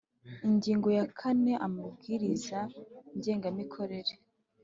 Ingingo ya kane Amabwiriza Ngengamikorere